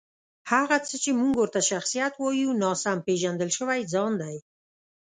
هغه څه چې موږ ورته شخصیت وایو، ناسم پېژندل شوی ځان دی.